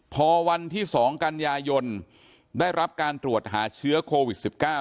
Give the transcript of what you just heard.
พอวันที่๒กันยายนได้รับการตรวจหาเชื้อโควิด๑๙